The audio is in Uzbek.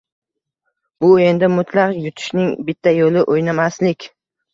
Bu oʻyinda mutlaq yutishning bitta yoʻli – oʻynamaslik